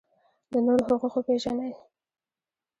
د نورو حقوق وپیژنئ